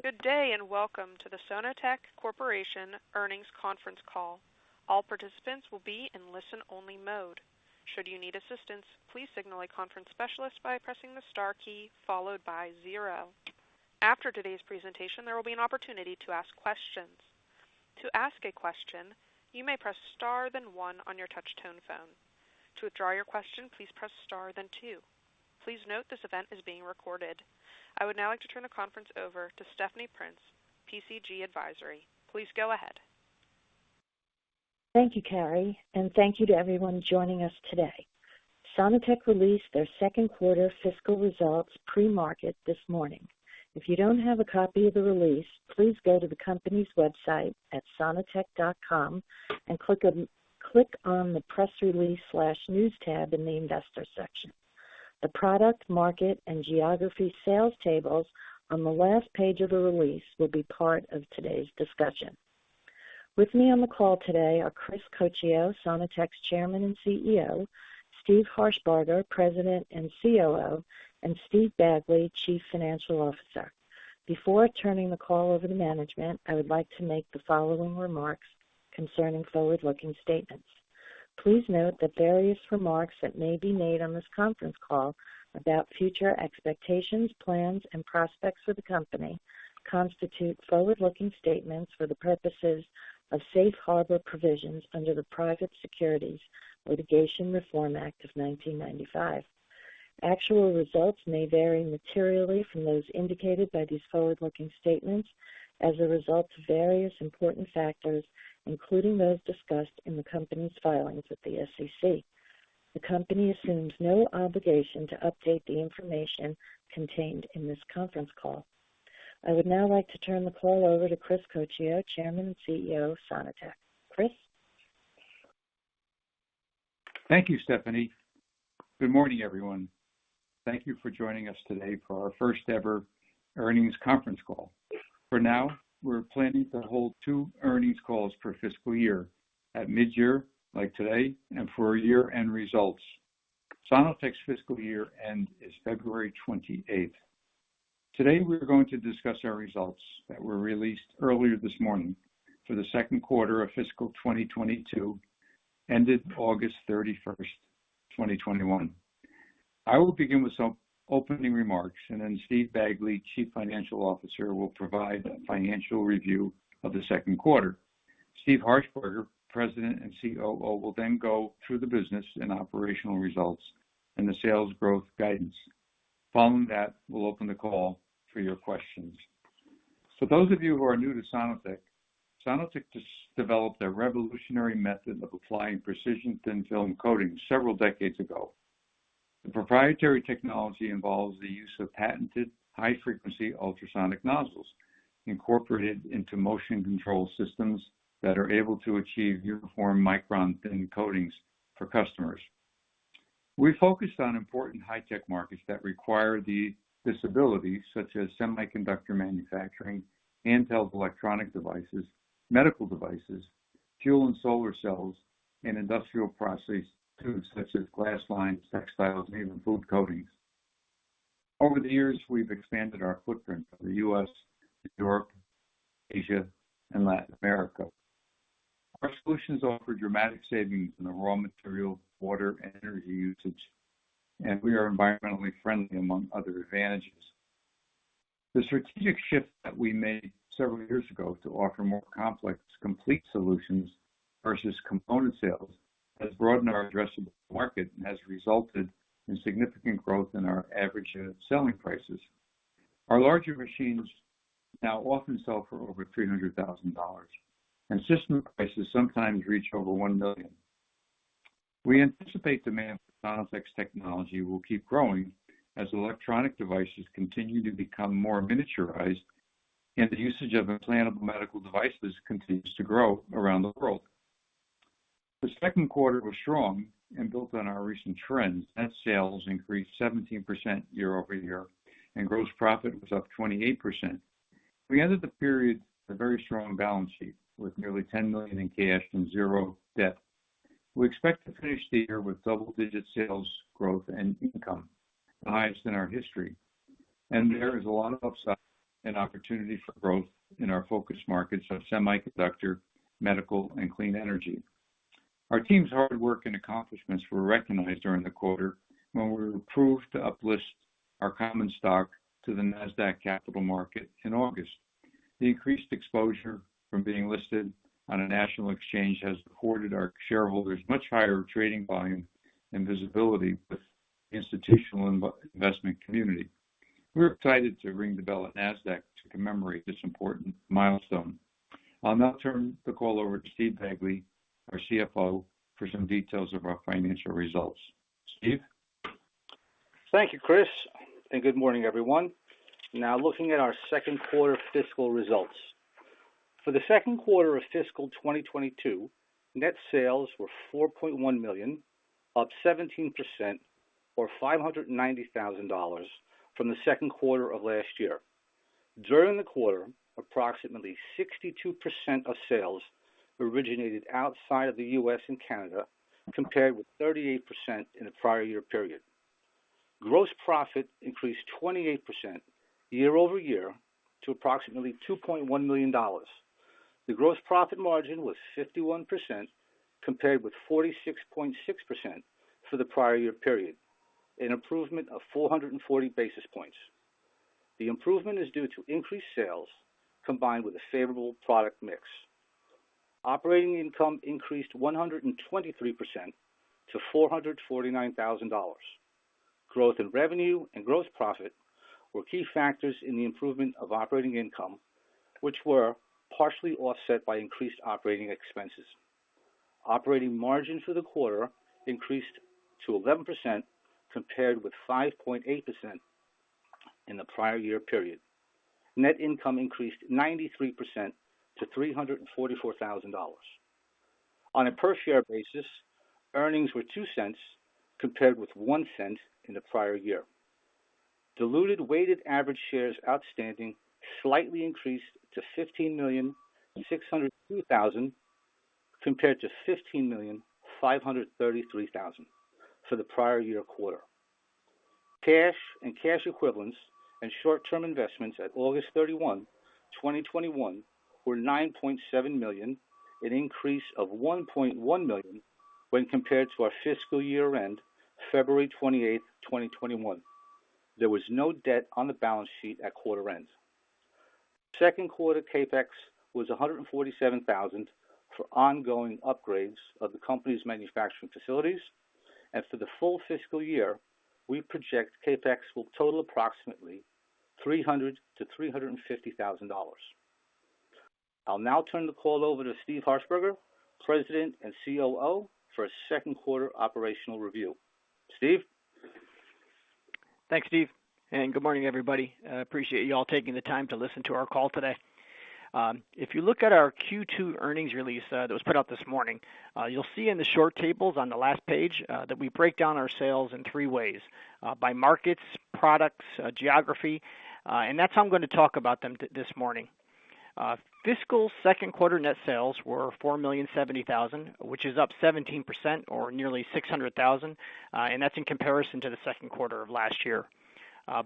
Good day, welcome to the Sono-Tek Corporation earnings conference call. All participants will be in listen only mode. Should you need assistance, please signal a conference specialist by pressing the star key followed by zero. After today's presentation, there will be an opportunity to ask questions. To ask a question, you may press star then one on your touch tone phone. To withdraw your question, please press star then two. Please note this event is being recorded. I would now like to turn the conference over to Stephanie Prince, PCG Advisory. Please go ahead. Thank you, Carrie, and thank you to everyone joining us today. Sono-Tek released their second quarter fiscal results pre-market this morning. If you don't have a copy of the release, please go to the company's website at sonotek.com and click on the Press Release/News tab in the investor section. The product, market, and geography sales tables on the last page of the release will be part of today's discussion. With me on the call today are Chris Coccio, Sono-Tek's Chairman and CEO, Steve Harshbarger, President and COO, and Steve Bagley, Chief Financial Officer. Before turning the call over to management, I would like to make the following remarks concerning forward-looking statements. Please note that various remarks that may be made on this conference call about future expectations, plans, and prospects for the company constitute forward-looking statements for the purposes of safe harbor provisions under the Private Securities Litigation Reform Act of 1995. Actual results may vary materially from those indicated by these forward-looking statements as a result of various important factors, including those discussed in the company's filings with the SEC. The company assumes no obligation to update the information contained in this conference call. I would now like to turn the call over to Chris Coccio, Chairman and CEO of Sono-Tek. Chris? Thank you, Stephanie. Good morning, everyone. Thank you for joining us today for our first ever earnings conference call. For now, we're planning to hold two earnings calls per fiscal year, at mid-year, like today, and for our year-end results. Sono-Tek's fiscal year end is February 28th. Today, we are going to discuss our results that were released earlier this morning for the second quarter of fiscal 2022, ended August 31st, 2021. I will begin with some opening remarks, and then Steve Bagley, Chief Financial Officer, will provide the financial review of the second quarter. Steve Harshbarger, President and COO, will then go through the business and operational results and the sales growth guidance. Following that, we'll open the call for your questions. For those of you who are new to Sono-Tek, Sono-Tek just developed a revolutionary method of applying precision thin film coating several decades ago. The proprietary technology involves the use of patented high-frequency ultrasonic nozzles incorporated into motion control systems that are able to achieve uniform micron thin coatings for customers. We focused on important high-tech markets that require this ability, such as semiconductor manufacturing, Intel electronic devices, medical devices, fuel and solar cells, and industrial processes too, such as glass lines, textiles, and even food coatings. Over the years, we've expanded our footprint for the U.S., Europe, Asia, and Latin America. Our solutions offer dramatic savings in the raw material, water, and energy usage, and we are environmentally friendly, among other advantages. The strategic shift that we made several years ago to offer more complex, complete solutions versus component sales has broadened our addressable market and has resulted in significant growth in our average selling prices. Our larger machines now often sell for over $300,000, and system prices sometimes reach over $1 million. We anticipate demand for Sono-Tek's technology will keep growing as electronic devices continue to become more miniaturized and the usage of implantable medical devices continues to grow around the world. The second quarter was strong and built on our recent trends. Net sales increased 17% year-over-year, and gross profit was up 28%. We ended the period with a very strong balance sheet, with nearly $10 million in cash and zero debt. We expect to finish the year with double-digit sales growth and income, the highest in our history, and there is a lot of upside and opportunity for growth in our focus markets of semiconductor, medical, and clean energy. Our team's hard work and accomplishments were recognized during the quarter when we were approved to up-list our common stock to the Nasdaq Capital Market in August. The increased exposure from being listed on a national exchange has afforded our shareholders much higher trading volume and visibility with the institutional investment community. We're excited to ring the bell at Nasdaq to commemorate this important milestone. I'll now turn the call over to Steve Bagley, our CFO, for some details of our financial results. Steve? Thank you, Chris. Good morning, everyone. Now looking at our second quarter fiscal results. For the second quarter of fiscal 2022, net sales were $4.1 million, up 17%, or $590,000 from the second quarter of last year. During the quarter, approximately 62% of sales. originated outside of the U.S. and Canada, compared with 38% in the prior-year period. Gross profit increased 28% year-over-year to approximately $2.1 million. The gross profit margin was 51%, compared with 46.6% for the prior-year period, an improvement of 440 basis points. The improvement is due to increased sales combined with a favorable product mix. Operating income increased 123% to $449,000. Growth in revenue and gross profit were key factors in the improvement of operating income, which were partially offset by increased operating expenses. Operating margin for the quarter increased to 11%, compared with 5.8% in the prior-year period. Net income increased 93% to $344,000. On a per-share basis, earnings were $0.02, compared with $0.01 in the prior-year. Diluted weighted average shares outstanding slightly increased to 15,602,000, compared to 15,533,000 for the prior-year quarter. Cash and cash equivalents and short-term investments at August 31, 2021, were $9.7 million, an increase of $1.1 million when compared to our fiscal year-end, February 28, 2021. There was no debt on the balance sheet at quarter end. Second quarter CapEx was $147,000 for ongoing upgrades of the company's manufacturing facilities, and for the full fiscal year, we project CapEx will total approximately $300,000-$350,000. I'll now turn the call over to Steve Harshbarger, President and COO, for a second quarter operational review. Steve? Thanks, Steve, and good morning, everybody. I appreciate you all taking the time to listen to our call today. If you look at our Q2 earnings release that was put out this morning, you'll see in the short tables on the last page that we break down our sales in three ways: by markets, products, geography, and that's how I'm going to talk about them this morning. Fiscal second quarter net sales were $4,070,000, which is up 17%, or nearly $600,000, and that's in comparison to the second quarter of last year.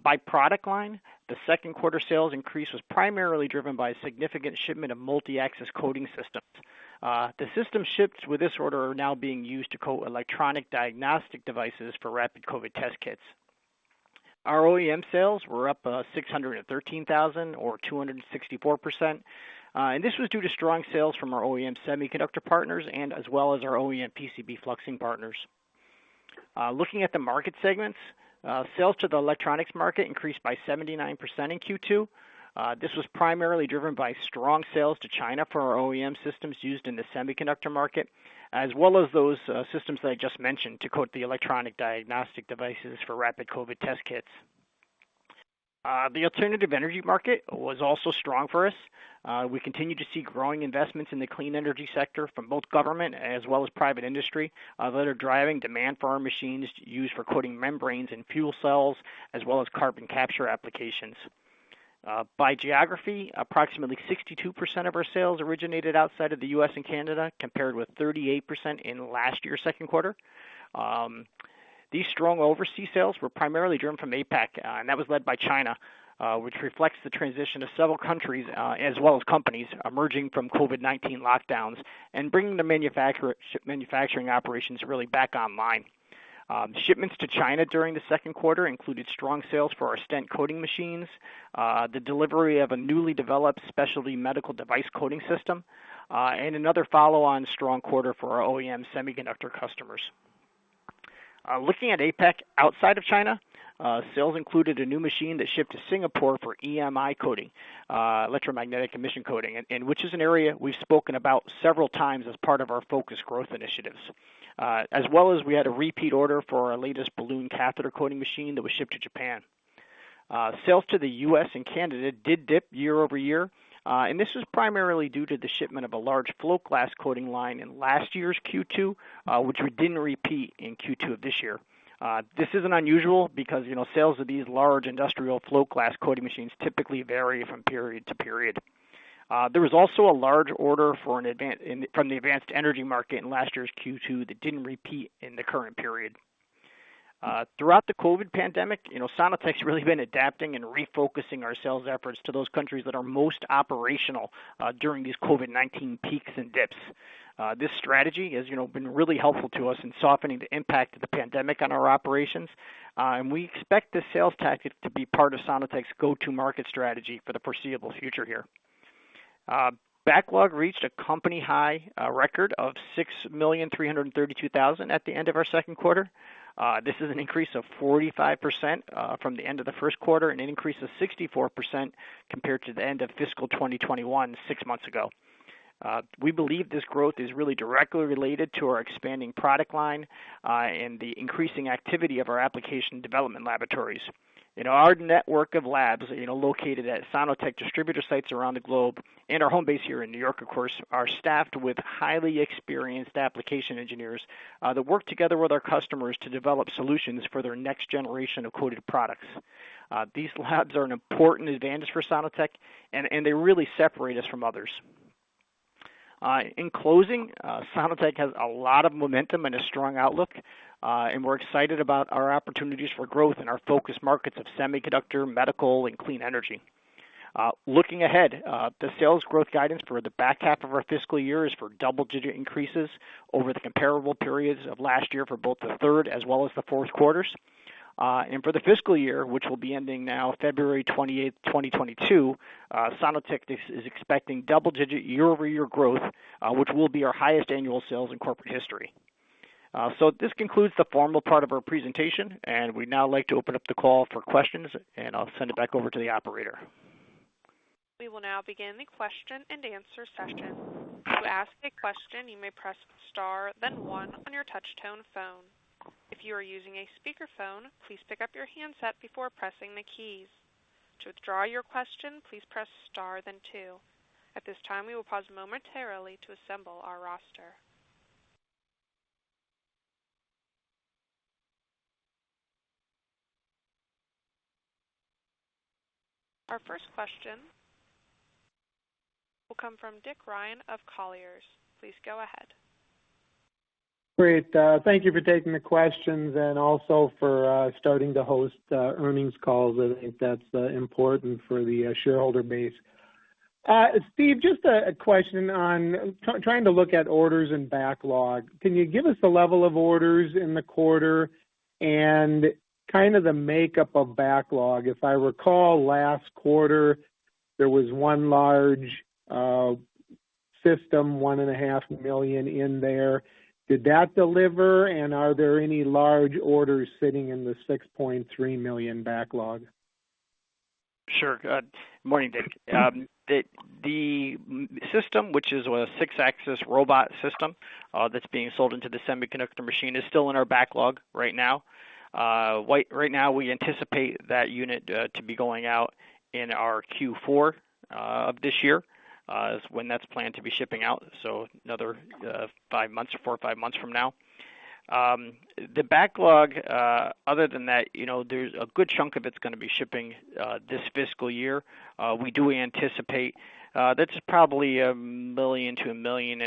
By product line, the second quarter sales increase was primarily driven by a significant shipment of multi-axis coating systems. The system shipped with this order are now being used to coat electronic diagnostic devices for rapid COVID-19 test kits. Our OEM sales were up $613,000 or 264%. This was due to strong sales from our OEM semiconductor partners as well as our OEM PCB fluxing partners. Looking at the market segments, sales to the electronics market increased by 79% in Q2. This was primarily driven by strong sales to China for our OEM systems used in the semiconductor market, as well as those systems that I just mentioned to coat the electronic diagnostic devices for rapid COVID-19 test kits. The alternative energy market was also strong for us. We continue to see growing investments in the clean energy sector from both government as well as private industry that are driving demand for our machines used for coating membranes and fuel cells, as well as carbon capture applications. By geography, approximately 62% of our sales originated outside of the U.S. and Canada, compared with 38% in last year's second quarter. These strong overseas sales were primarily driven from APAC, and that was led by China, which reflects the transition of several countries, as well as companies, emerging from COVID-19 lockdowns and bringing the manufacturing operations really back online. Shipments to China during the second quarter included strong sales for our stent coating machines, the delivery of a newly developed specialty medical device coating system, and another follow-on strong quarter for our OEM semiconductor customers. Looking at APAC outside of China, sales included a new machine that shipped to Singapore for EMI coating, electromagnetic emission coating, and which is an area we've spoken about several times as part of our focus growth initiatives. As well as we had a repeat order for our latest balloon catheter coating machine that was shipped to Japan. Sales to the U.S. and Canada did dip year-over-year, this was primarily due to the shipment of a large float glass coating line in last year's Q2, which we didn't repeat in Q2 of this year. This isn't unusual because, you know, sales of these large industrial float glass coating machines typically vary from period to period. There was also a large order from the advanced energy market in last year's Q2 that didn't repeat in the current period. Throughout the COVID pandemic, you know, Sono-Tek's really been adapting and refocusing our sales efforts to those countries that are most operational during these COVID-19 peaks and dips. This strategy has, you know, been really helpful to us in softening the impact of the pandemic on our operations, and we expect this sales tactic to be part of Sono-Tek's go-to-market strategy for the foreseeable future here. Backlog reached a company-high record of $6,332,000 at the end of our second quarter. This is an increase of 45% from the end of the first quarter and an increase of 64% compared to the end of fiscal 2021 six months ago. We believe this growth is really directly related to our expanding product line and the increasing activity of our application development laboratories. In our network of labs located at Sono-Tek distributor sites around the globe and our home base here in New York, of course, are staffed with highly experienced application engineers that work together with our customers to develop solutions for their next generation of coated products. These labs are an important advantage for Sono-Tek, and they really separate us from others. In closing, Sono-Tek has a lot of momentum and a strong outlook, we're excited about our opportunities for growth in our focus markets of semiconductor, medical, and clean energy. Looking ahead, the sales growth guidance for the back half of our fiscal year is for double-digit increases over the comparable periods of last year for both the third as well as the fourth quarters. For the fiscal year, which will be ending now February 28th, 2022, Sono-Tek is expecting double-digit year-over-year growth, which will be our highest annual sales in corporate history. This concludes the formal part of our presentation, and we'd now like to open up the call for questions, and I'll send it back over to the operator. We will now begin the question-and-answer session. To ask a question, you may press star then one on your touchtone phone. If you are using a speakerphone, please pick up your handset before pressing the keys. To withdraw your question, please press star then two. At this time, we will pause momentarily to assemble our roster. Our first question will come from Dick Ryan of Colliers. Please go ahead. Great. Thank you for taking the questions. Also for starting to host earnings calls. I think that's important for the shareholder base. Steve, just a question on trying to look at orders and backlog. Can you give us the level of orders in the quarter and kind of the makeup of backlog? If I recall last quarter, there was one large system, $1.5 million in there. Did that deliver, and are there any large orders sitting in the $6.3 million backlog? Sure. Morning, Dick. Dick, the system, which is a six-axis robot system that's being sold into the semiconductor machine, is still in our backlog right now. Right now, we anticipate that unit to be going out in our Q4 of this year, is when that's planned to be shipping out. Another four months, five months from now. The backlog, other than that, you know, there's a good chunk of it's going to be shipping this fiscal year. We do anticipate that's probably $1 million-$1.5 million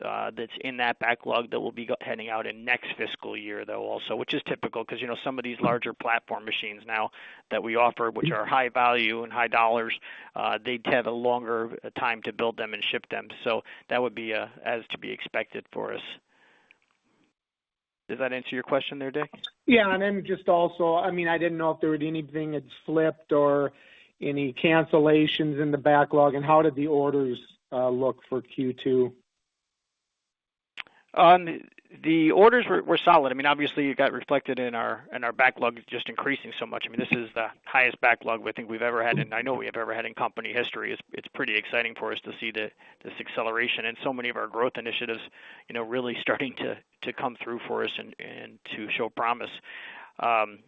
that's in that backlog that will be heading out in next fiscal year, though, also, which is typical because some of these larger platform machines now that we offer, which are high value and high dollars, they get a longer time to build them and ship them. That would be as to be expected for us. Does that answer your question there, Dick? Yeah. Just also, I didn't know if there was anything that slipped or any cancellations in the backlog, and how did the orders look for Q2? The orders were solid. Obviously, it got reflected in our backlog just increasing so much. This is the highest backlog I think we've ever had, and I know we have ever had in company history. It's pretty exciting for us to see this acceleration and so many of our growth initiatives, you know, really starting to come through for us and to show promise. You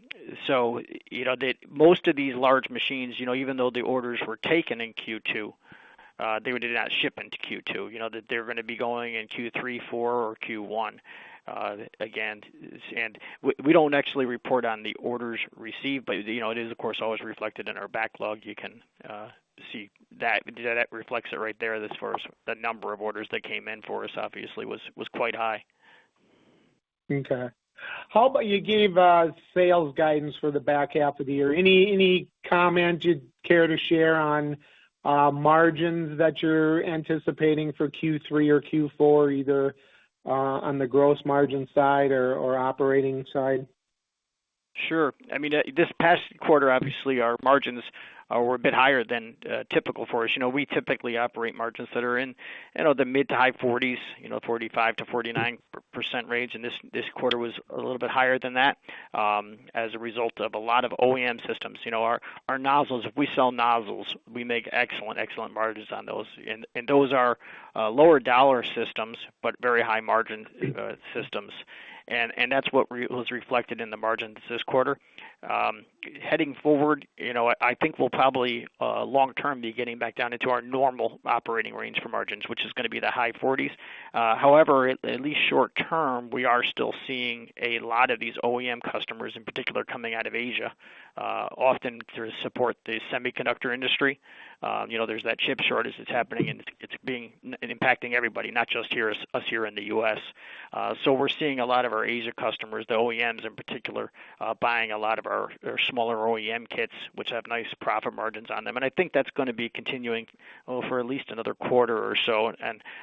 know, most of these large machines, you know, even though the orders were taken in Q2, they did not ship into Q2. You know, they're going to be going in Q3, Q4 or Q1. Again, we don't actually report on the orders received, but it is, you know, of course, always reflected in our backlog. You can see that reflects it right there as far as the number of orders that came in for us obviously was quite high. How about you gave sales guidance for the back half of the year? Any comment you'd care to share on margins that you're anticipating for Q3 or Q4, either on the gross margin side or operating side? Sure. I mean, this past quarter, obviously, our margins were a bit higher than typical for us. You know, we typically operate margins that are in, you know, the mid-to-high 40s, 45%-49% range, and this quarter was a little bit higher than that as a result of a lot of OEM systems. You know, our nozzles, we sell nozzles, we make excellent margins on those, and those are lower dollar systems, but very high margin systems. And that's what was reflected in the margins this quarter. Heading forward, you know, I think we'll probably, long term, be getting back down into our normal operating range for margins, which is going to be the high 40s. However, at least short term, we are still seeing a lot of these OEM customers, in particular coming out of Asia, often to support the semiconductor industry. You know, there's that chip shortage that's happening, and it's impacting everybody, not just us here in the U.S. We're seeing a lot of our Asia customers, the OEMs in particular, buying a lot of our smaller OEM kits, which have nice profit margins on them. I think that's going to be continuing for at least another quarter or so.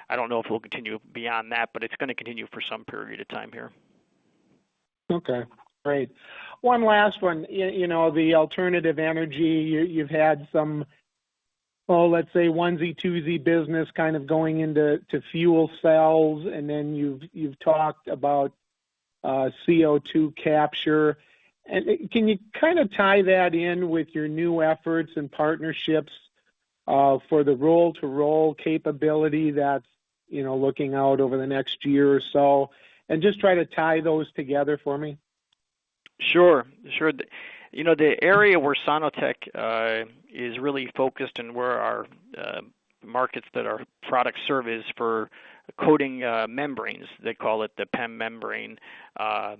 I don't know if it will continue beyond that, but it's going to continue for some period of time here. Okay, great. One last one. You know, the alternative energy, you've had some, let's say, onesie, twosie business kind of going into fuel cells, and then you've talked about CO2 capture. Can you kind of tie that in with your new efforts and partnerships for the roll-to-roll capability that, you know, looking out over the next year or so, and just try to tie those together for me? Sure. Sure, You know, the area where Sono-Tek is really focused and where our markets that our product serve is for coating membranes. They call it the PEM membrane on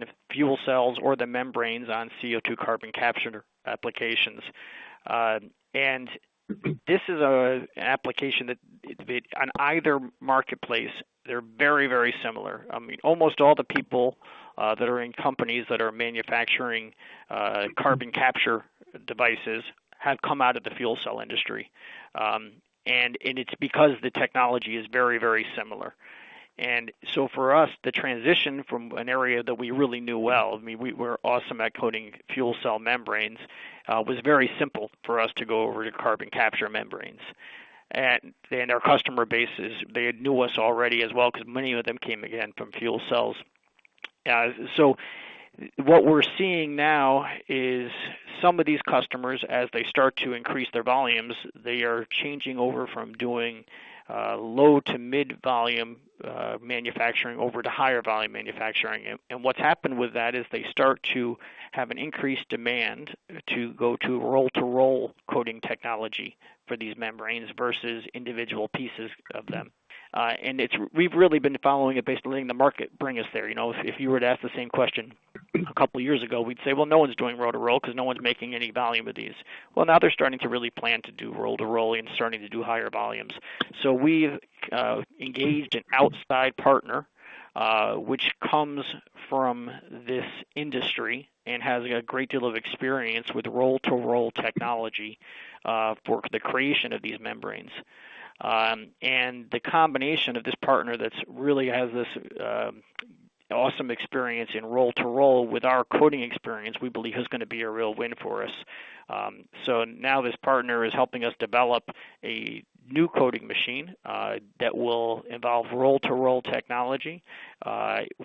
the fuel cells or the membranes on CO2 carbon capture applications. This is an application that on either marketplace, they're very, very similar. Almost all the people that are in companies that are manufacturing carbon capture devices have come out of the fuel cell industry. It's because the technology is very, very similar. For us, the transition from an area that we really knew well, we're awesome at coating fuel cell membranes, was very simple for us to go over to carbon capture membranes. Our customer bases, they knew us already as well because many of them came, again, from fuel cells. What we're seeing now is some of these customers, as they start to increase their volumes, they are changing over from doing low to mid volume manufacturing over to higher volume manufacturing. What happened with that is they start to have an increased demand to go to roll-to-roll coating technology for these membranes versus individual pieces of them. We've really been following it, basically letting the market bring us there. If you were to ask the same question a couple of years ago, we'd say, "Well, no one's doing roll-to-roll because no one's making any volume of these." Now they're starting to really plan to do roll-to-roll and starting to do higher volumes. We've engaged an outside partner which comes from this industry and has a great deal of experience with roll-to-roll technology, for the creation of these membranes. The combination of this partner that really has this awesome experience in roll-to-roll with our coating experience, we believe is going to be a real win for us. Now this partner is helping us develop a new coating machine, that will involve roll-to-roll technology,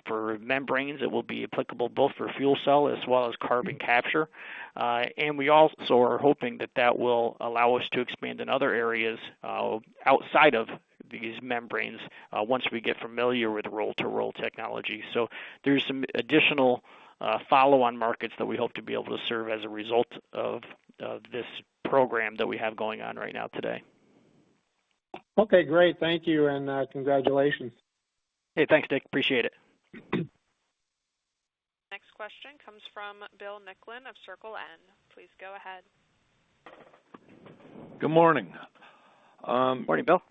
for membranes that will be applicable both for fuel cell as well as carbon capture. We also are hoping that that will allow us to expand in other areas outside of these membranes, once we get familiar with roll-to-roll technology. There's some additional follow-on markets that we hope to be able to serve as a result of this program that we have going on right now today. Okay, great. Thank you, and congratulations. Hey, thanks, Dick. Appreciate it. Next question comes from Bill Nicklin of Circle N. Please go ahead. Good morning. Morning, Bill.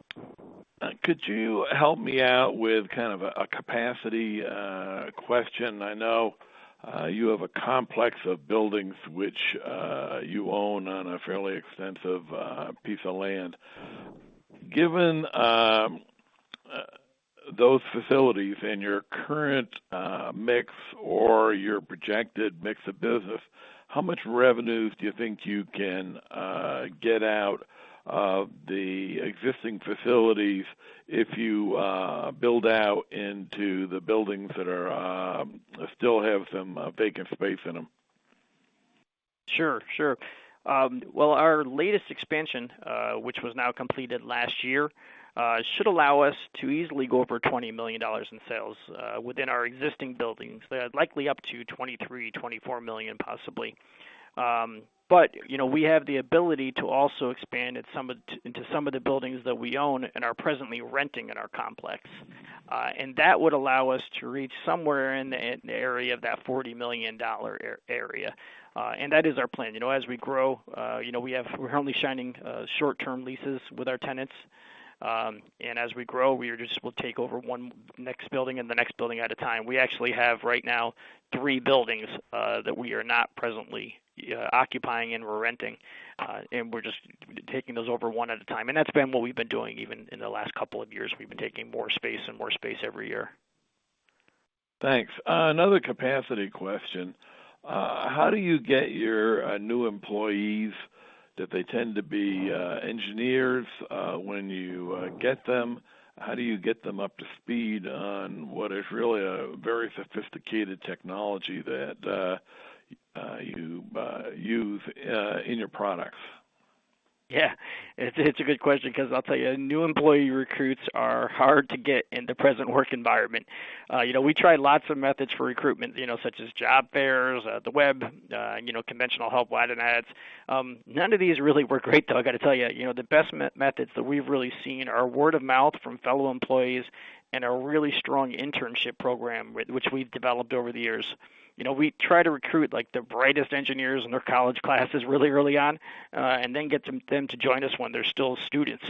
Could you help me out with kind of a capacity question? I know you have a complex of buildings which you own on a fairly extensive piece of land. Given those facilities and your current mix or your projected mix of business, how much revenues do you think you can get out of the existing facilities if you build out into the buildings that still have some vacant space in them? Sure. Sure. Well, our latest expansion, which was now completed last year, should allow us to easily go over $20 million in sales within our existing buildings, likely up to $23 million, $24 million possibly. But, you know, we have the ability to also expand into some of the buildings that we own and are presently renting in our complex. That would allow us to reach somewhere in the area of that $40 million area. That is our plan. You know, as we grow, you know, we're currently signing short-term leases with our tenants. As we grow, we are just able to take over one next building and the next building at a time. We actually have, right now, three buildings, that we are not presently occupying and we're renting, and we're just taking those over one at a time. That's been what we've been doing even in the last couple of years. We've been taking more space and more space every year. Thanks. Another capacity question. How do you get your new employees, that they tend to be engineers, when you get them, how do you get them up to speed on what is really a very sophisticated technology that you use in your products? Yeah. It's a good question because I'll tell you, new employee recruits are hard to get in the present work environment. You know, we try lots of methods for recruitment, you know, such as job fairs, at the web, you know, conventional help wanted ads. None of these really work great, though, I got to tell you. You know, the best methods that we've really seen are word of mouth from fellow employees and a really strong internship program, which we've developed over the years. You know, we try to recruit the brightest engineers in their college classes really, really early on, and then get them to join us when they're still students.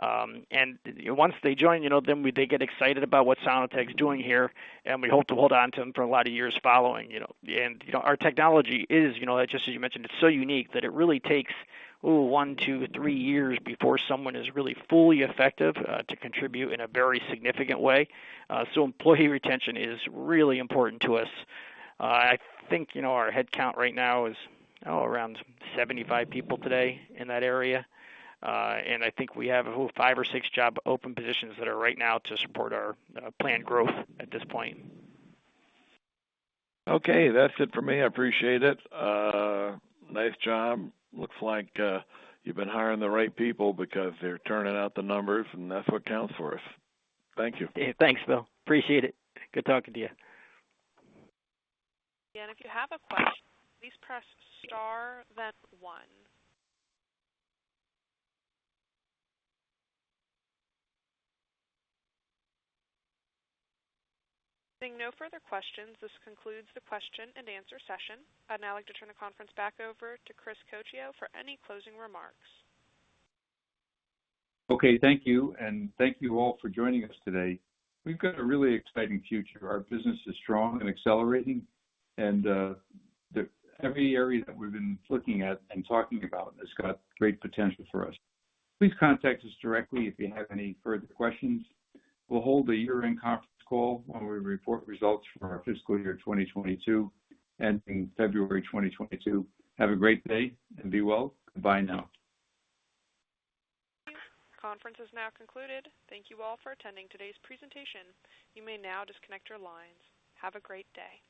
You know, once they join, then they get excited about what Sono-Tek's doing here, and we hope to hold on to them for a lot of years following, you know. You know, our technology is, you know, just as you mentioned, it's so unique that it really takes one, two, three years before someone is really fully effective to contribute in a very significant way. Employee retention is really important to us. I think, you know, our headcount right now is around 75 people today, in that area. I think we have five or six job open positions that are right now to support our, you know, planned growth at this point. Okay. That's it for me. I appreciate it. Nice job. Looks like you've been hiring the right people because they're turning out the numbers, and that's what counts for us. Thank you. Yeah. Thanks, Bill. Appreciate it. Good talking to you. If you have a question, please press star then one. Seeing no further questions, this concludes the question-and-answer session. I'd now like to turn the conference back over to Chris Coccio for any closing remarks. Okay. Thank you, and thank you all for joining us today. We've got a really exciting future. Our business is strong and accelerating, and every area that we've been looking at and talking about has got great potential for us. Please contact us directly if you have any further questions. We'll hold a year-end conference call when we report results for our fiscal year 2022, ending February 2022. Have a great day, and be well. Bye now. Conference is now concluded. Thank you all for attending today's presentation. You may now disconnect your lines. Have a great day